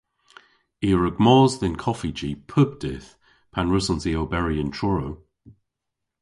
I a wrug mos dhe'n koffiji pub dydh pan wrussons i oberi yn Truru.